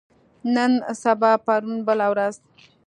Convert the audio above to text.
نن سبا پرون بله ورځ